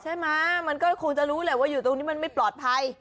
มันก็คงจะรู้แหละว่าอยู่ตรงนี้มันไม่ปลอดภัย